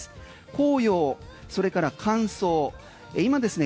紅葉、それから乾燥今ですね